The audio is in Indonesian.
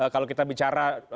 kalau kita bicara